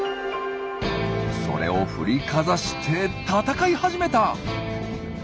それを振りかざして戦い始めた！